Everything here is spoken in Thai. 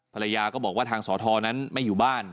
ภรรยาก็บอกว่าทางสอทรนั้นไม่อยู่บ้าน